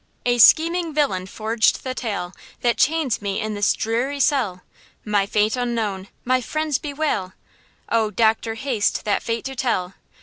A scheming villain forged the tale That chains me in this dreary cell, My fate unknown, my friends bewail, Oh, doctor haste that fate to tell!